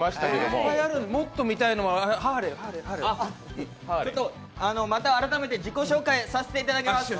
もっと見たいのは、ハーレーまた改めて自己紹介させていただきます。